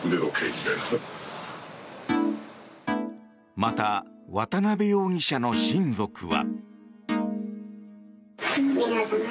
また、渡邉容疑者の親族は。